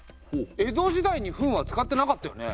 江戸時代に「分」は使ってなかったよね？